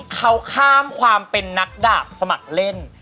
เขาข้ามความเป็นนักดาบสมัครเล่น